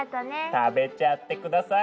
食べちゃってください。